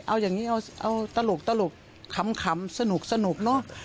เอาอย่างนี้เอาตลกขำสนุกเนอะ